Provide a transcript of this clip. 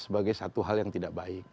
sebagai satu hal yang tidak baik